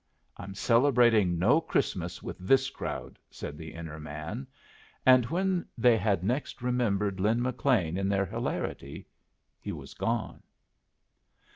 "I'm celebrating no Christmas with this crowd," said the inner man; and when they had next remembered Lin McLean in their hilarity he was gone.